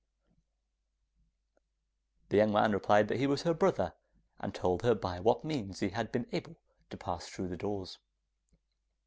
The young man replied that he was her brother, and told her by what means he had been able to pass through the doors.